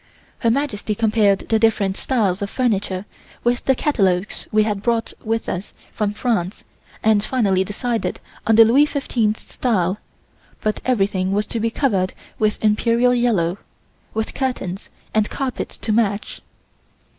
Her Majesty compared the different styles of furniture with the catalogues we had brought with us from France and finally decided on the Louis Fifteenth style, but everything was to be covered with Imperial Yellow, with curtains and carpets to match.